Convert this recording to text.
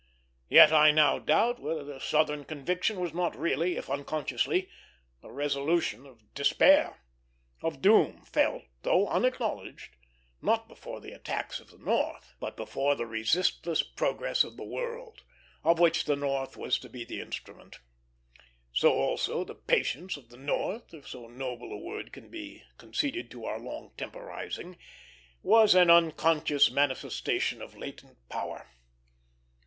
Yet I now doubt whether the Southern conviction was not really, if unconsciously, the resolution of despair; of doom felt, though unacknowledged; not before the attacks of the North, but before the resistless progress of the world, of which the North was to be the instrument. So also the patience of the North, if so noble a word can be conceded to our long temporizing, was an unconscious manifestation of latent power.